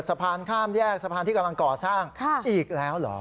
สะพานข้ามแยกสะพานที่กำลังก่อสร้างอีกแล้วเหรอ